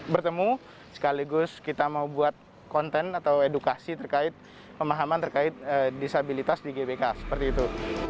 bertemu sekaligus kita mau buat konten atau edukasi terkait pemahaman terkait disabilitas di gbk seperti itu